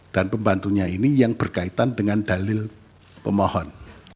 dan pembantunya ini yang berkaitan dengan dalil pemohon